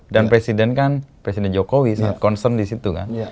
presiden kan presiden jokowi sangat concern di situ kan